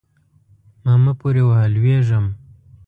ما مه پورې وهه؛ لوېږم.